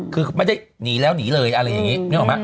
คือไม่ได้หนีแล้วหนีเลยอัละอย่างนี้